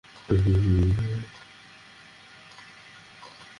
নানা জার্নাল, বই, সংবাদপত্র, ম্যাগাজিন থেকে কিছু অংশ তুলে দেওয়া হবে।